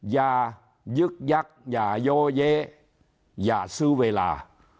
อย่ายึกยักษ์อย่าโยเย้อย่าซื้อเวลา